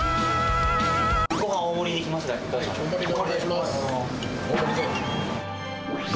ごはん大盛りにできますけど。